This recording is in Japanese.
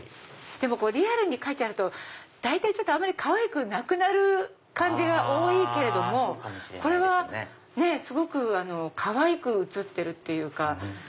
リアルに描いてあるとあんまりかわいくなくなる感じが多いけれどもこれはすごくかわいく映ってるっていうか。